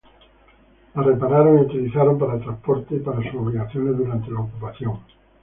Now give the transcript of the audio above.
Las repararon y utilizaron para transportes y para sus obligaciones durante la ocupación.